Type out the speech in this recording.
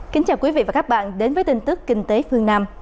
kính chào quý vị và các bạn đến với tin tức kinh tế phương nam